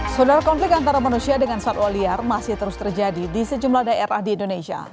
saudara konflik antara manusia dengan satwa liar masih terus terjadi di sejumlah daerah di indonesia